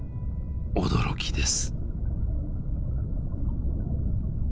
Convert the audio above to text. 驚きです。